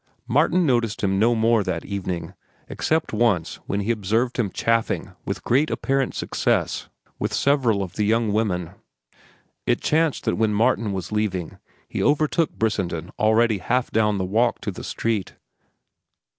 Martin noticed him no more that evening, except once when he observed him chaffing with great apparent success with several of the young women. It chanced that when Martin was leaving, he overtook Brissenden already half down the walk to the street.